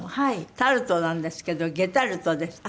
タルトなんですけど『ゲタルト』ですって。